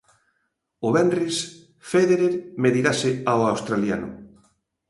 O venres, Féderer medirase ao australiano.